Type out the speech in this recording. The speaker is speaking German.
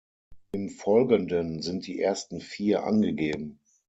Im Folgenden sind die ersten vier angegeben.